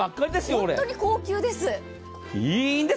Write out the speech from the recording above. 本当に高級です。